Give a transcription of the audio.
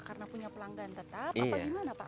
karena punya pelanggan tetap apa gimana pak